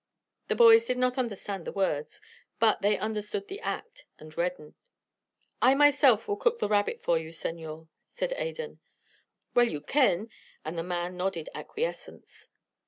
The boys did not understand the words, but they understood the act, and reddened. "I myself will cook the rabbit for you, senor," said Adan. "Well, you kin," and the man nodded acquiescence.